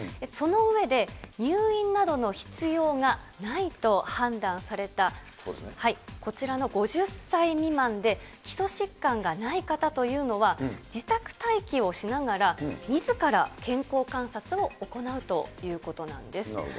その上で、入院などの必要がないと判断された、こちらの５０歳未満で基礎疾患がない方というのは、自宅待機をしながら、みずから健康観察を行うということなんです。